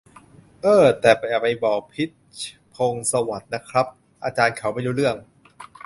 เอ้อ แต่อย่าไปบอก พิชญ์ พงษ์สวัสดิ์ นะครับ อาจารย์เขาไม่รู้เรื่อง